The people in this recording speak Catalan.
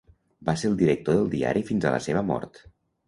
Va ser el director del diari fins a la seva mort.